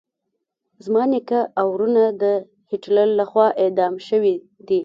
زما نیکه او ورونه د هټلر لخوا اعدام شويدي.